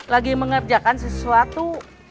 lagi mengerjakan sesuatu